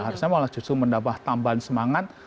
harusnya malah justru menambah tambahan semangat